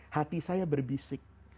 hati saya berbisik